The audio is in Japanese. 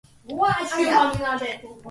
鹿児島県西之表市